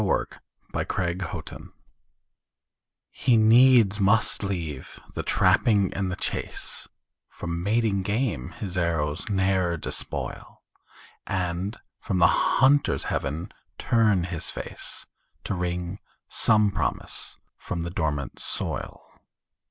THE INDIAN CORN PLANTER He needs must leave the trapping and the chase, For mating game his arrows ne'er despoil, And from the hunter's heaven turn his face, To wring some promise from the dormant soil.